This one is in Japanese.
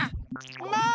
もう！